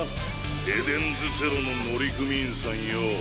エデンズゼロの乗組員さんよぉ。